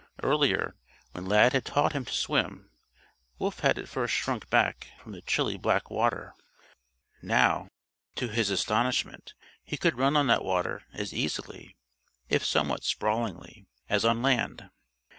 Earlier, when Lad had taught him to swim, Wolf had at first shrunk back from the chilly black water. Now, to his astonishment, he could run on that water as easily if somewhat sprawlingly as on land.